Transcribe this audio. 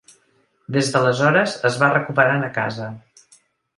Des d’aleshores, es va recuperant a casa.